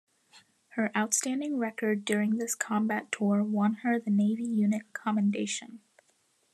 Her outstanding record during this combat tour won her the Navy Unit Commendation.